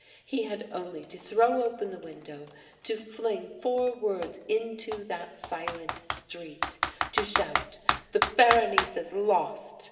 He had only to throw open the window to fling four words into that silent street to shout, "The Berenice is lost!"